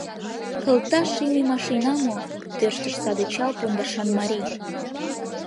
Кылта шийме машина мо? — тӧрштыш саде чал пондашан марий.